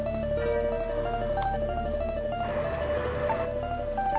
ああ。